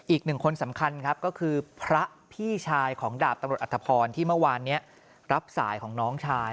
อีกหนึ่งคนสำคัญครับก็คือพระพี่ชายของดาบตำรวจอัตภพรที่เมื่อวานนี้รับสายของน้องชาย